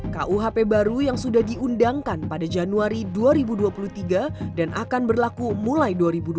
kuhp baru yang sudah diundangkan pada januari dua ribu dua puluh tiga dan akan berlaku mulai dua ribu dua puluh tiga